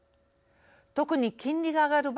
特に金利が上がる場合